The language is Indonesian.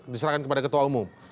diserahkan kepada ketua umum